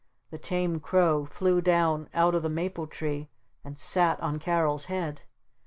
The Tame Crow flew down out of the Maple Tree and sat on Carol's head.